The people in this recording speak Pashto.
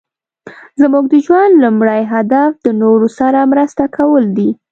زموږ د ژوند لومړی هدف د نورو سره مرسته کول دي.